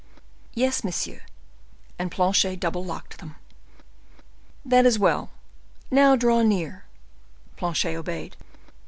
"Yes, monsieur." And Planchet double locked them. "That is well; now draw near." Planchet obeyed.